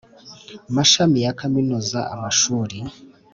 mashami ya Kaminuza amashuri